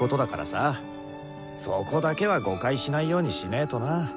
そこだけは誤解しないようにしねとな。